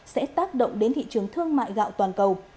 sẽ tác động đến thị trường thương mại gạo toàn cầu